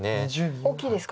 大きいですか。